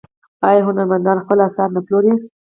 آیا هنرمندان خپل اثار نه پلوري؟